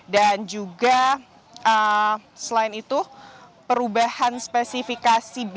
dan juga selain itu perubahan spesifikasi bis ini